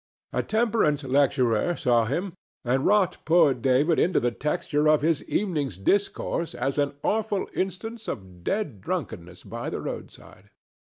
A temperance lecturer saw him, and wrought poor David into the texture of his evening's discourse as an awful instance of dead drunkenness by the roadside.